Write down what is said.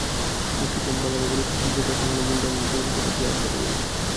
Metro chamber আরও বলেছে, শিল্পের কাঁচামাল ও মূলধনি যন্ত্রপাতি আমদানি বেড়েছে।